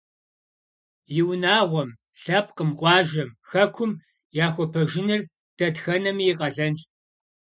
И унагъуэм, лъэпкъым, къуажэм, хэкум яхуэпэжыныр дэтхэнэми и къалэнщ.